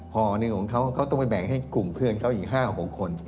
ห่อหนึ่งของเขาเขาต้องไปแบ่งให้กลุ่มเพื่อนเขาอีก๕๖คน